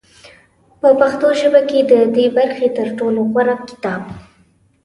په پښتو ژبه کې د دې برخې تر ټولو غوره کتاب